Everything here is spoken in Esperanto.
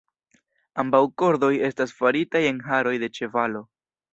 Ambaŭ kordoj estas faritaj en haroj de ĉevalo.